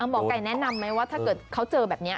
หมอไก่แนะนำไหมว่าถ้าเกิดเขาเจอแบบนี้